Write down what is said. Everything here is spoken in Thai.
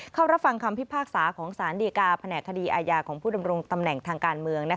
เข้ารับฟังคำพิพากษาของสารดีกาแผนกคดีอาญาของผู้ดำรงตำแหน่งทางการเมือง